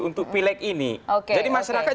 untuk pileg ini jadi masyarakat